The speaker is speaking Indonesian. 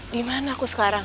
dimana aku sekarang